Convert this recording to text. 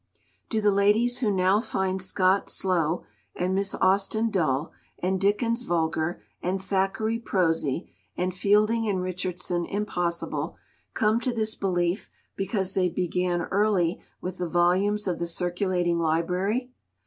Do the ladies who now find Scott slow, and Miss Austen dull, and Dickens vulgar, and Thackeray prosy, and Fielding and Richardson impossible, come to this belief because they began early with the volumes of the circulating library?